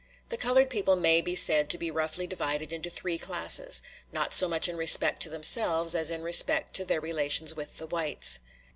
The colored people may be said to be roughly divided into three classes, not so much in respect to themselves as in respect to their relations with the whites.